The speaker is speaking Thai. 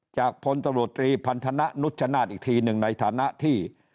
พลตำรวจตรีพันธนะนุชชนาธิ์อีกทีหนึ่งในฐานะที่